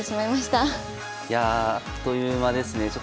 いやあっという間ですね。